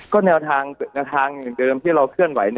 ก็แนวทางแนวทางอย่างเดิมที่เราเคลื่อนไหว